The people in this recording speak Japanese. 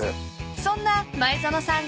［そんな前園さん